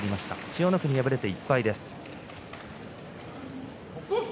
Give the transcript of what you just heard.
千代の国、敗れて１敗です。